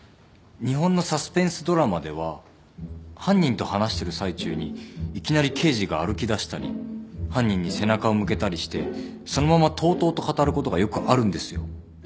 日本のサスペンスドラマでは犯人と話してる最中にいきなり刑事が歩きだしたり犯人に背中を向けたりしてそのままとうとうと語ることがよくあるんですよ。